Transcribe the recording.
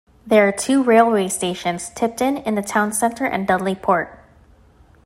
There are two railway stations - Tipton in the town centre and Dudley Port.